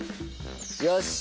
よし！